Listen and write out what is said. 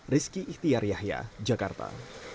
rizky ihtiar yahya jakarta